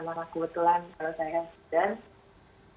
karena aku telan kalau saya